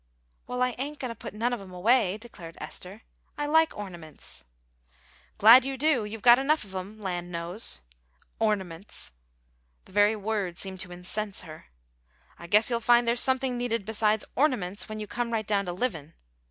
"Well, I ain't goin' to put none of 'em away," declared Esther. "I like ornaments." "Glad you do; you've got enough of 'em, land knows. Ornaments!" The very word seemed to incense her. "I guess you'll find there's something needed besides ornaments when you come right down to livin'.